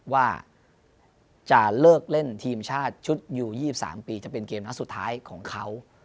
ว่าจะเลิกเล่นทีมชาติชุดอยู่๒๓ปีจะเป็นเกมนัดสุดท้ายของเขา